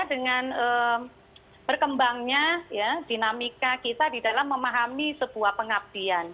dengan berkembangnya dinamika kita di dalam memahami sebuah pengabdian